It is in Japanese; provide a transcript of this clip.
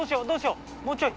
どうしよう？